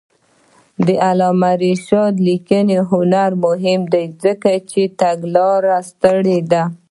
د علامه رشاد لیکنی هنر مهم دی ځکه چې تګلاره ستره ده.